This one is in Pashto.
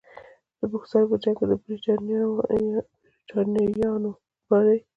د بوکسر په جنګ کې د برټانویانو بری.